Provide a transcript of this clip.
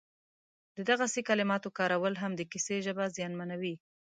د دغسې کلماتو کارول هم د کیسې ژبه زیانمنوي